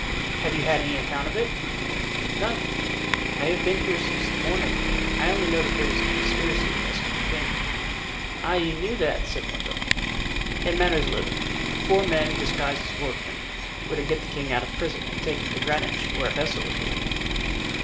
"Have you had any account of it?" "None. I have been here since the morning. I only know that there was a conspiracy to rescue the king." "Ah, you knew that?" said Mordaunt. "It matters little. Four men, disguised as workmen, were to get the king out of prison and take him to Greenwich, where a vessel was waiting."